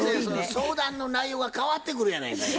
相談の内容が変わってくるやないかいな。